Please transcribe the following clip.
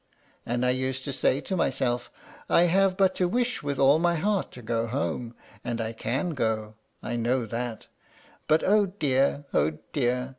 And I used to say to myself, 'I have but to wish with all my heart to go home, and I can go, I know that;' but oh dear! oh dear!